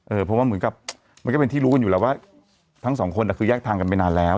เพราะว่าเหมือนกับมันก็เป็นที่รู้กันอยู่แล้วว่าทั้งสองคนคือแยกทางกันไปนานแล้ว